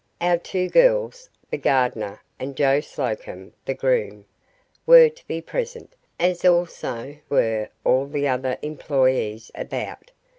Our two girls, the gardener, and Joe Slocombe the groom, were to be present, as also were all the other employees about.